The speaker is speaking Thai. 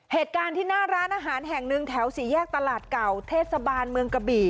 เหตุการณ์ที่หน้าร้านอาหารแห่งหนึ่งแถวสี่แยกตลาดเก่าเทศบาลเมืองกะบี่